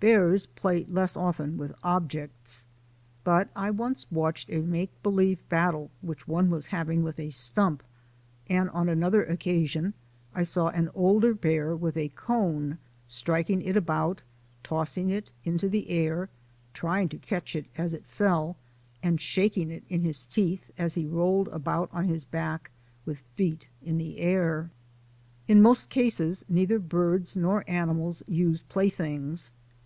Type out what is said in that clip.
Bears play less often with objects. But I once watched a make believe battle which one was having with a stump, and on another occasion I saw an older bear with a cone, striking it about, tossing it into the air, trying to catch it as it fell, and shaking it in his teeth as he rolled about on his back with feet in the air. In most cases neither birds nor animals use play things.